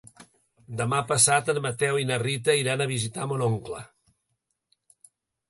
Demà passat en Mateu i na Rita iran a visitar mon oncle.